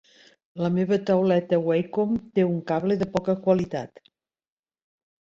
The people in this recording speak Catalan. La meva tauleta Wacom té un cable de poca qualitat.